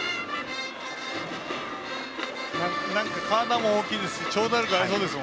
体も大きいですし長打力ありそうです。